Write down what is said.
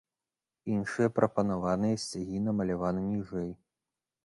Іншыя прапанаваныя сцягі намаляваны ніжэй.